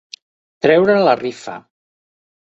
Treure la rifa.